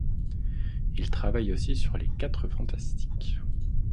Il travaille aussi sur les Quatre fantastiques.